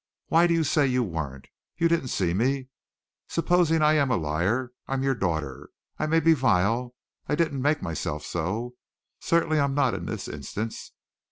Why do you say you weren't. You didn't see me. Supposing I am a liar. I'm your daughter. I may be vile. I didn't make myself so. Certainly I'm not in this instance.